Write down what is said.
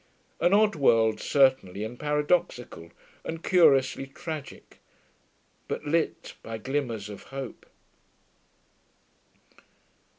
An odd world, certainly, and paradoxical, and curiously tragic. But lit by glimmers of hope....